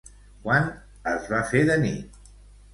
Quan es va fer de nit?